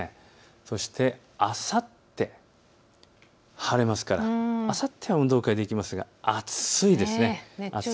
そしてあさって、晴れますからあさっては運動会、できますが暑いです。